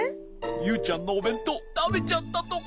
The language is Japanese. ユウちゃんのおべんとうたべちゃったとか？